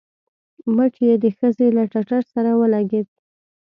مټ يې د ښځې له ټټر سره ولګېد.